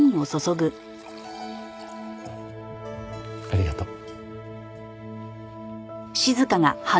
ありがとう。